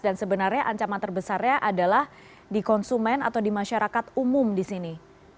dan sebenarnya ancaman terbesarnya adalah di konsumen atau di masyarakat umum di sini